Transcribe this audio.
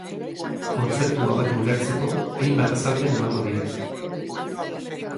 Kontzeptua hobeto ulertzeko, hainbat azalpen emango dira.